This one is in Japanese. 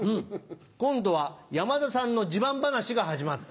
今度は山田さんの自慢話が始まった。